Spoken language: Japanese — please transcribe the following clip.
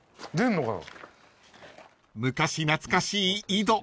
［昔懐かしい井戸